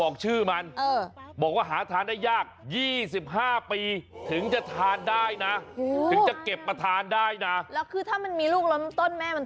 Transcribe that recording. กระท้าเป็นรางวัลคุณเก่ง